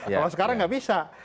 kalau sekarang gak bisa